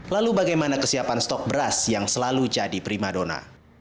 lalu bagaimana kesiapan stok beras yang selalu jadi primadona